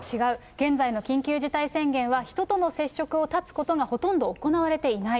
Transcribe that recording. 現在の緊急事態宣言は人との接触を断つことがほとんど行われていない。